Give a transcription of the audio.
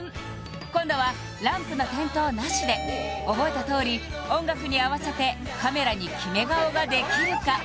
今度はランプの点灯なしで覚えたとおり音楽に合わせてカメラにキメ顔ができるか？